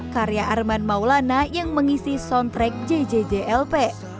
karya arman maulana yang mengisi soundtrack jjjlp